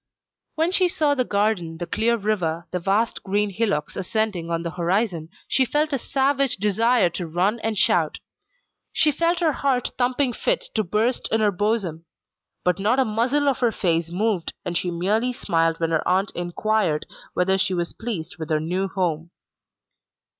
When she saw the garden, the clear river, the vast green hillocks ascending on the horizon, she felt a savage desire to run and shout. She felt her heart thumping fit to burst in her bosom; but not a muscle of her face moved, and she merely smiled when her aunt inquired whether she was pleased with her new home.